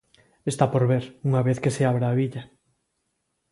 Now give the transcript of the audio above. Está por ver, unha vez que se abra a billa.